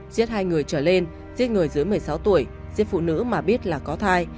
giết hai người trở lên giết người dưới một mươi sáu tuổi giết phụ nữ mà biết là có thai